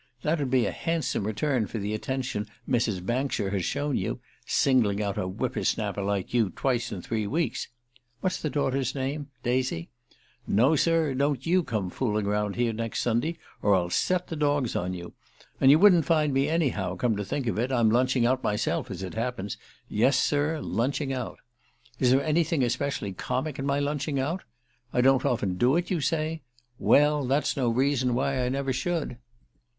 That'd be a handsome return for the attention Mrs. Bankshire has shown you singling out a whipper snapper like you twice in three weeks! (What's the daughter's name Daisy?) No, sir don't you come fooling round here next Sunday, or I'll set the dogs on you. And you wouldn't find me in anyhow, come to think of it. I'm lunching out myself, as it happens yes sir, lunching out. Is there anything especially comic in my lunching out? I don't often do it, you say? Well, that's no reason why I never should.